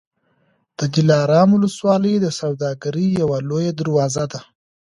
د دلارام ولسوالي د سوداګرۍ یوه لویه دروازه ده.